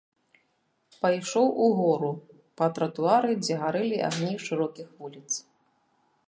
Пайшоў угору па тратуары, дзе гарэлі агні шырокіх вуліц.